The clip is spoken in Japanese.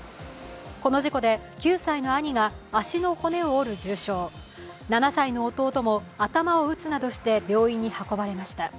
この事故で９歳の兄が足の骨を折る重傷、７歳の弟も頭を打つなどして病院に運ばれました。